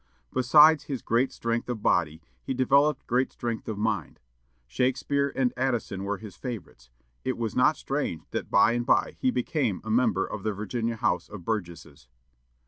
Besides this great strength of body, he developed great strength of mind. Shakespeare and Addison were his favorites. It was not strange that by and by he became a member of the Virginia House of Burgesses.